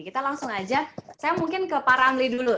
kita langsung aja saya mungkin ke pak ramli dulu